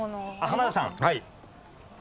浜田さん。